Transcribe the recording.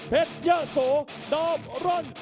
ดูราชีวิตรัก